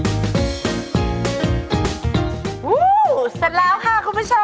เอาหน้าตาครับเชฟ